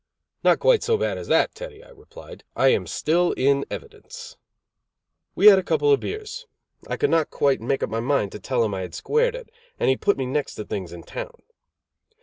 "Not quite so bad as that, Teddy," I replied, "I am still in evidence." We had a couple of beers. I could not quite make up my mind to tell him I had squared it; and he put me next to things in town.